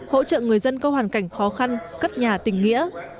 hỗ trợ người dân có hoàn cảnh khó khăn cất nhà tình nghĩa